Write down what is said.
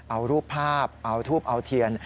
เอารูปภาพเอาทูบเอาเทียน